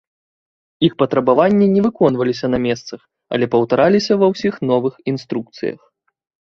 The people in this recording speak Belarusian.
Іх патрабаванні не выконваліся на месцах, але паўтараліся ва ўсіх новых інструкцыях.